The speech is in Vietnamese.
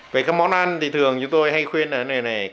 về các món ăn thì thường chúng tôi hay khuyên là này này